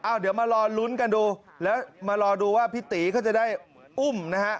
เดี๋ยวมารอลุ้นกันดูแล้วมารอดูว่าพี่ตีเขาจะได้อุ้มนะฮะ